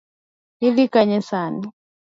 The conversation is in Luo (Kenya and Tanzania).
Idhi kanye sani?